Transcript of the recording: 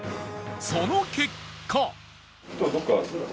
その結果